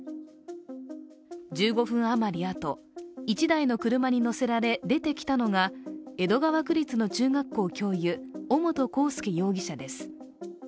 １５分余りあと、１台の車に乗せられ出てきたのが、江戸川区立の中学校教諭尾本幸祐容疑者です。